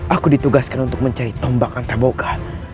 aku ditugaskan untuk mencari tombak antar boga